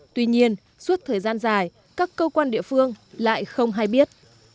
tuy nhiên suốt thời gian dài các cơ quan địa phương lại không hay biết